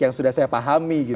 yang sudah saya pahami